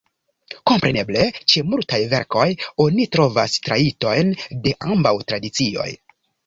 Kompreneble, ĉe multaj verkoj oni trovas trajtojn de ambaŭ tradicioj.